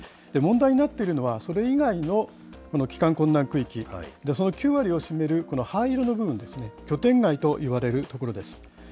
問題になっているのは、それ以外のこの帰還困難区域、その９割を占めるこの灰色の部分ですね、拠点外といわれる所です。